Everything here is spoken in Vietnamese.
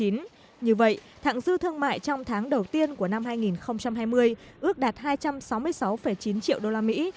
như vậy thẳng dư thương mại trong tháng đầu tiên của năm hai nghìn hai mươi ước đạt hai trăm sáu mươi sáu chín triệu đô la mỹ